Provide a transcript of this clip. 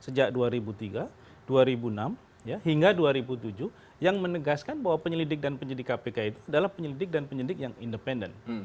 sejak dua ribu tiga dua ribu enam hingga dua ribu tujuh yang menegaskan bahwa penyelidik dan penyidik kpk itu adalah penyelidik dan penyidik yang independen